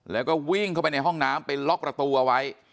แล้วก็วิ่งเข้าไปในห้องน้ำไปล็อกประตูเอาไว้